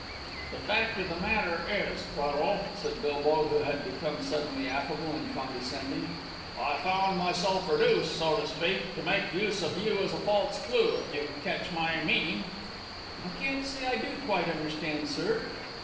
"The fact of the matter is, Tweddle," said Bilbow, who had become suddenly affable and condescending, "I found myself reduced, so to speak, to make use of you as a false clue, if you catch my meaning?" "I can't say I do quite understand, sir."